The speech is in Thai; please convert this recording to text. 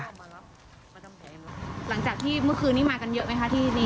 หลังจากที่เมื่อคืนนี้มากันเยอะไหมคะที่นี่